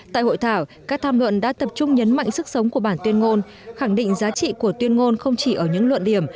tại hội thảo các tham luận đã tập trung nhấn mạnh sức sống của bản tuyên ngôn khẳng định giá trị của tuyên ngôn không chỉ ở những luận điểm